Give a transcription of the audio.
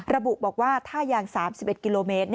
ระบุบอกว่าท่ายาง๓๑กิโลเมตร